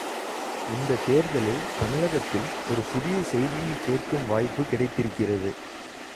இந்தத் தேர்தலில் தமிழகத்தில் ஒரு புதிய செய்தியைக் கேட்கும் வாய்ப்புக் கிடைத்திருக்கிறது.